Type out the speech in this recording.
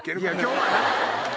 今日はね。